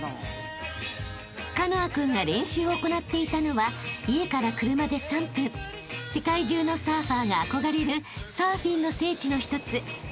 ［カノア君が練習を行っていたのは家から車で３分世界中のサーファーが憧れるサーフィンの聖地の一つハンティントンビーチ］